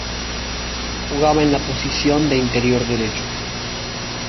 Jugaba en la posición de interior derecho.